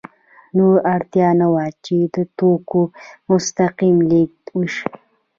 نور اړتیا نه وه چې د توکو مستقیم لېږد وشي